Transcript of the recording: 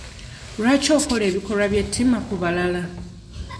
Lwaki okola ebikolwa eby'ettima ku balala?